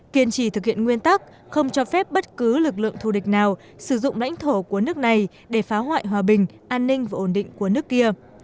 kiên trì thực hiện nguyên tắc không cho phép bất cứ lực lượng thù địch nào sử dụng lãnh thổ của nước này để phá hoại hòa bình an ninh và ổn định của nước kia